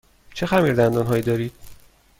چه خمیردندان هایی دارید؟